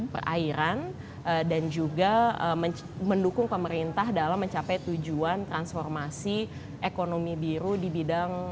perairan dan juga mendukung pemerintah dalam mencapai tujuan transformasi ekonomi biru di bidang